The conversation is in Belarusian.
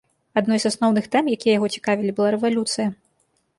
Адной з асноўных тэм, якія яго цікавілі, была рэвалюцыя.